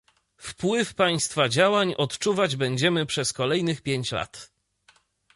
Wpływ państwa działań odczuwać będziemy przez kolejnych pięć lat